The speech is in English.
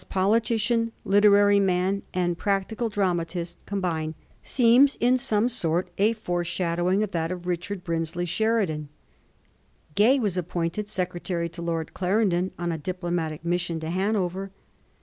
politician, literary man, and practical dramatist com bined, seems in some sort a foreshadowing of that of Richard Brinsley Sheridan, Gay was appointed Secretary to Lord Clarendon on a diplomatic mission to Hanover.